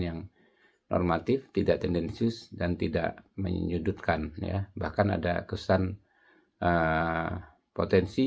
yang normatif tidak tendensius dan tidak menyudutkan ya bahkan ada kesan potensi